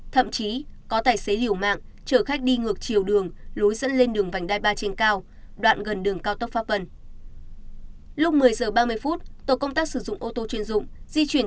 thậm chí có tài xế liều mạng chở khách đi ngược chiều đường lối dẫn lên đường vành đai ba trên cao đoạn gần đường cao tốc pháp vân